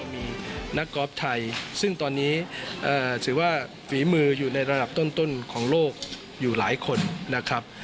มีนักกอล์ฟไทยซึ่งตอนนี้ถือว่าฝีมืออยู่ในระดับต้นของโลกอยู่หลายคนนะครับ